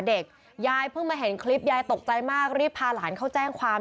ยายเพิ่งมาเห็นคลิปยายตกใจมากรีบพาหลานเขาแจ้งความ